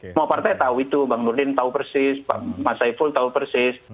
semua partai tahu itu bang nurdin tahu persis mas saiful tahu persis